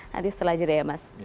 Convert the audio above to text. nanti setelah jeda ya mas